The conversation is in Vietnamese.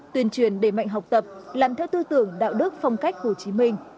tuyên truyền đề mạnh học tập làm theo tư tưởng đạo đức phong cách hồ chí minh